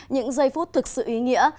những giây phút thực sự ý nghĩa